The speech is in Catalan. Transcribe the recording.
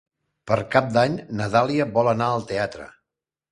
Per Cap d'Any na Dàlia vol anar al teatre.